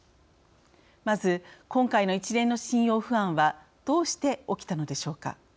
まず、今回の一連の信用不安はどうして起きたのでしょうか。